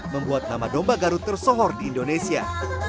membuat nama domba garut tersohor di indonesia